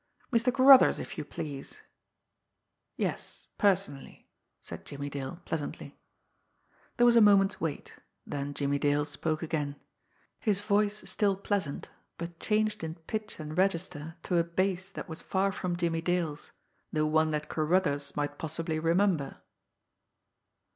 "Mr. Carruthers, if you please ... yes, personally," said Jimmie Dale pleasantly. There was a moment's wait, then Jimmie Dale spoke again his voice still pleasant, but changed in pitch and register to a bass that was far from Jimmie Dale's, though one that Carruthers might possibly remember!